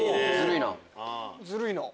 ずるいな。